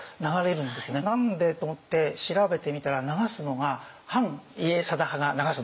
「何で？」と思って調べてみたら流すのが反家定派が流すんです。